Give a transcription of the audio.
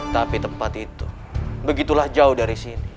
tapi tempat itu begitulah jauh dari sini